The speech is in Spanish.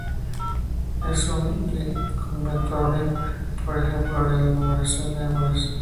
Es útil en combinatoria, por ejemplo en la enumeración de árboles.